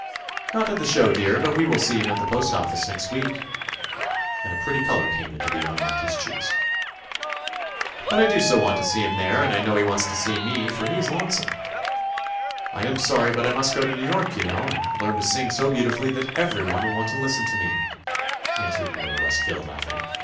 "Not at the show, dear, but we will see him at the postoffice next week," and a pretty color came into the young auntie's cheeks. "But I do so want to see him there, and I know he wants to see me, for he is lonesome." "I am sorry, but I must go to New York, you know, and learn to sing so beautifully that everyone will want to listen to me," answered Mary Westfield, laughing.